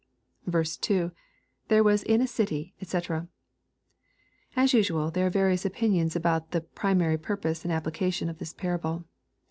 2. — [There was in a city, &c!\ As usual, there are various opinions about the primary purpose and application of this parable.